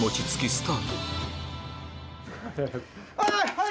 はい！